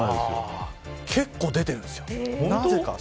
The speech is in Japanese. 結構出てるんですよ。